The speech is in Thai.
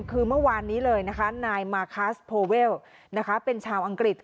คือเมื่อวานนี้เลยนะคะนายมาคัสโพเวลเป็นชาวอังกฤษ